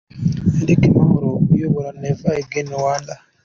Eric Mahoro uyobora Never Again- Rwanda.